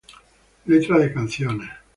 Letra de canciones